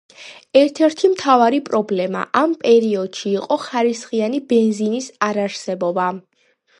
ერთ-ერთი მთავარი პრობლემა ამ პერიოდში იყო ხარისხიანი ბენზინის არარსებობა.